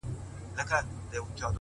ساده فکر ژور سکون راولي.!